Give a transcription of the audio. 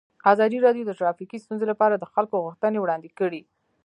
ازادي راډیو د ټرافیکي ستونزې لپاره د خلکو غوښتنې وړاندې کړي.